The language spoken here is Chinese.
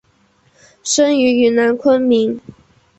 生于云南昆明。